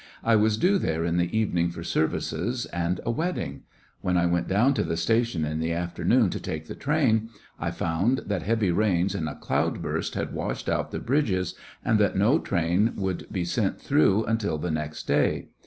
I was due there in the evening for services and a wedding. When I went down to the station in the after noon to take the train^ I found that heavy rains and a cloud burst had washed out the bridges, and that no train would be sent through until the next day.